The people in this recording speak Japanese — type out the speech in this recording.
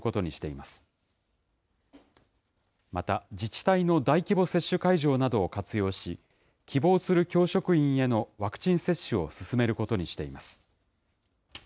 また、自治体の大規模接種会場などを活用し、希望する教職員へのワクチン接種を進めることにしています。